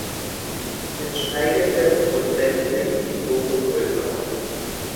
Mit steigendem %T nimmt die Porengröße ab.